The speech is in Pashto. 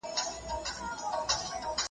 ¬ ماهى چي نه نيسې، تر لکۍ ئې ټينگوه.